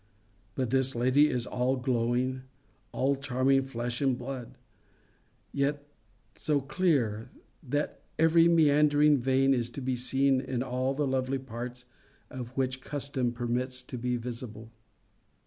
But this lady is all glowing, all charming flesh and blood; yet so clear, that every meandring vein is to be seen in all the lovely parts of her which custom permits to be visible.